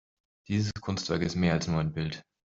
Dieses Kunstwerk ist mehr als nur ein Bild.